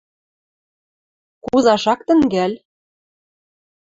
Кузаш ак тӹнгӓл?